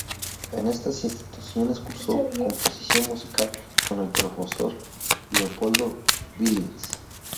En estas instituciones cursó composición musical con el profesor Leopoldo Billings.